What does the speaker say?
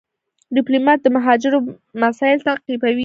ډيپلومات د مهاجرو مسایل تعقیبوي.